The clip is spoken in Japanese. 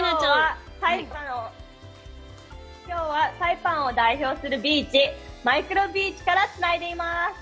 きょうはサイパンを代表するビーチ、マイクロビーチからつないでいます。